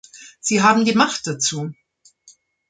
Sie haben die Macht dazu.